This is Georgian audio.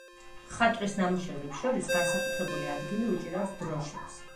მხატვრის ნამუშევრებს შორის განსაკუთრებული ადგილი უჭირავს დროშებს.